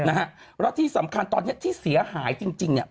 แล้วที่สำคัญตอนนี้ที่เสียหายจริงเนี่ย